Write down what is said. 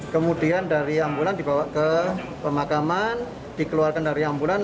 kemudian dari ambulans dibawa ke pemakaman dikeluarkan dari ambulans